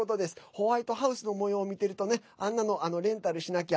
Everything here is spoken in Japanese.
ホワイトハウスのもようを見ているとねあんなのレンタルしなきゃ。